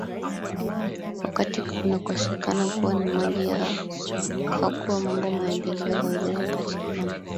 wakati kunakosekana kuwa na maji aa hakuwa mambo maendeleo haiwezi patikana